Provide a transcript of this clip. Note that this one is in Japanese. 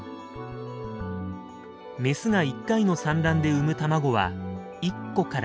メスが１回の産卵で産む卵は１個から２個。